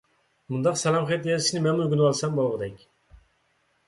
مۇنداق سالام خەت يېزىشنى مەنمۇ ئۆگىنىۋالسام بولغۇدەك.